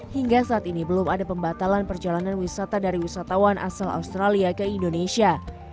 hingga saat ini belum ada pembatalan perjalanan wisata dari wisatawan asal australia ke indonesia